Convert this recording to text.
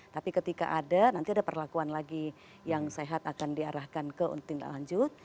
tapi ketika ada nanti ada perlakuan lagi yang sehat akan diarahkan ke tindak lanjut